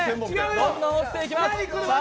どんどん落ちてきます。